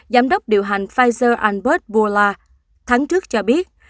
giám đốc điều hành pfizer albert bullard tháng trước cho biết